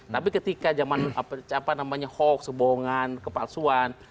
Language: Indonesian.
tapi ketika zaman apa namanya hoax kebohongan kepalsuan